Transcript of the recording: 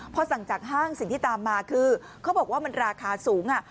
พอสั่งจากห้างสิ่งที่ตามมาคือเขาบอกว่ามันราคาสูง